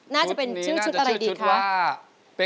น่าจะเป็นชื่อชุดอะไรดีคะคุณนี้น่าจะชื่อชุดว่า